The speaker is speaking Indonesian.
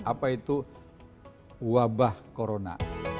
apa itu wabah corona